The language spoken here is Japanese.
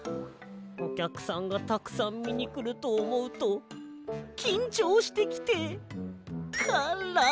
おきゃくさんがたくさんみにくるとおもうときんちょうしてきてからだが。